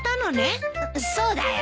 そうだよ。